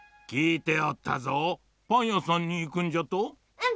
うん。